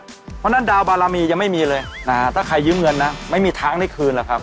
เพราะฉะนั้นดาวบารมียังไม่มีเลยนะฮะถ้าใครยืมเงินนะไม่มีทางได้คืนหรอกครับ